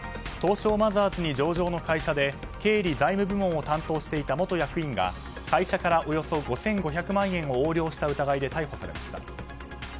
東証マザーズに上場の会社で経理・財務部門を担当していた元役員が会社からおよそ５５００万円を横領した疑いで逮捕されました。